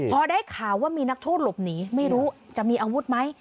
พอได้ข่าวว่ามีนักโทษหลบหนีไม่รู้จะมีอาวุธไหม